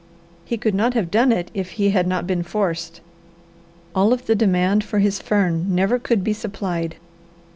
He could not have done it if he had not been forced. All of the demand for his fern never could be supplied.